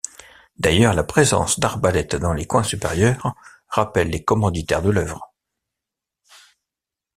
D’ailleurs la présence d’arbalète dans les coins supérieurs rappelle les commanditaires de l’œuvre.